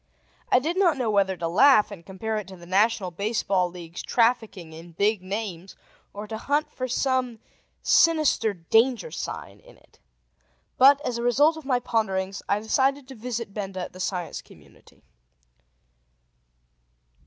I did not know whether to laugh and compare it to the National Baseball League's trafficking in "big names," or to hunt for some sinister danger sign in it. But, as a result of my ponderings, I decided to visit Benda at The Science Community.